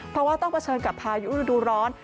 เพราะว่าต้องเผชิญกับพายุฤดูร้อน